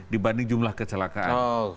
dibanding jumlah kecelakaan